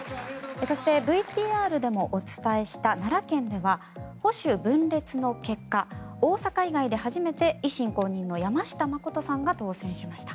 そして、ＶＴＲでもお伝えした奈良県では保守分裂の結果大阪以外で初めて維新公認の山下真さんが当選しました。